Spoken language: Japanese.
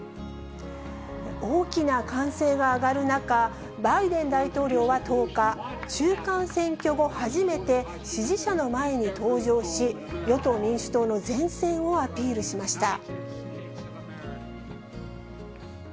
大きな歓声が上がる中、バイデン大統領は１０日、中間選挙後初めて、支持者の前に登場し、与党・民主党の善戦をアピールしました。